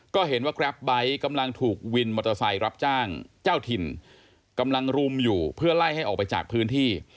ก็เห็นว่าแกรปไบท์กำลังถูกวินมอเตอร์ไซค์รับจ้างเจ้าถิ่นกำลังรุมอยู่เพื่อไล่ให้ออกไปจากพื้นที่